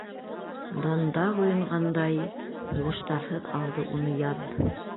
Данда ҡойонғандай, Һуғыштарһыҙ алды уны яҙ.